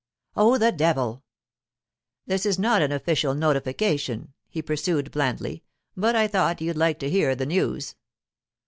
'Oh, the devil!' 'This is not an official notification,' he pursued blandly; 'but I thought you'd like to hear the news.